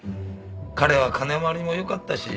彼は金回りもよかったし。